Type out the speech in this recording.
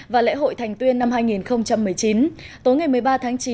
và lễ hội thành tuyên năm hai nghìn một mươi chín tối ngày một mươi ba tháng chín